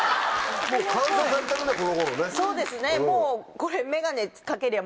そうですねもう。